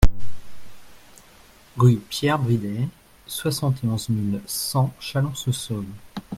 Rue Pierre Bridet, soixante et onze mille cent Chalon-sur-Saône